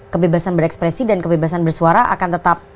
kebebasan berekspresi dan kebebasan bersuara akan tetap